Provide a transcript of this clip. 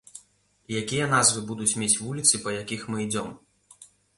І якія назвы будуць мець вуліцы, па якіх мы ідзём?